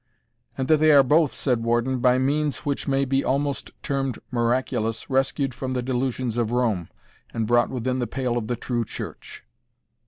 "And that they are both," said Warden, "by means which may be almost termed miraculous, rescued from the delusions of Rome, and brought within the pale of the true church.